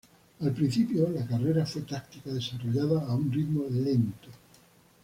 Al principio la carrera fue táctica, desarrollada a un ritmo lento.